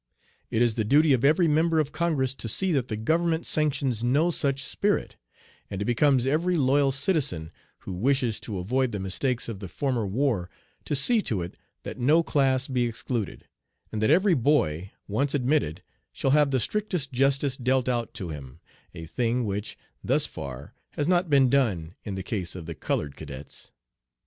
It is the duty of every member of Congress to see that the government sanctions no such spirit; and it becomes every loyal citizen who wishes to avoid the mistakes of the former war to see to it that no class be excluded, and that every boy, once admitted, shall have the strictest justice dealt out to him, a thing which, thus far, has not been done in the case of the colored cadets.